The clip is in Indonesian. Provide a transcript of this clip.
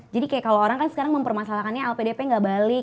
jadi kayak kalau orang kan sekarang mempermasalahkannya lpdp gak balik